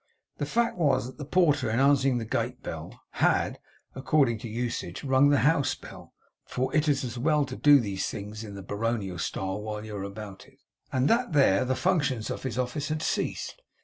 The fact was that the porter in answering the gate bell had, according to usage, rung the house bell (for it is as well to do these things in the Baronial style while you are about it), and that there the functions of his office had ceased.